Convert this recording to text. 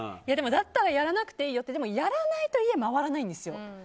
だったらやらなくていいよってやらないと家が回らないんですよ。